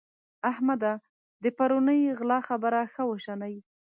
احمده! د پرونۍ غلا خبره ښه وشنئ.